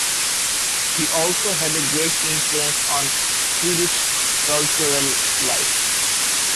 He also had a great influence on Swedish cultural life.